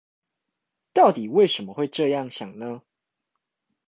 到底為什麼會這樣想呢？